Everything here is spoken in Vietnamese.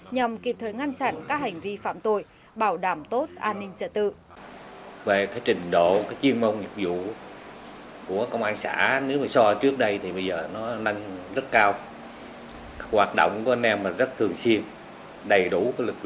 nhằm kịp thời ngăn chặn các hành vi phạm tội bảo đảm tốt an ninh trật tự